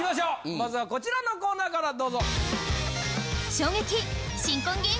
まずはこちらのコーナーからどうぞ。